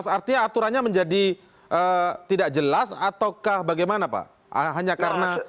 artinya aturannya menjadi tidak jelas ataukah bagaimana pak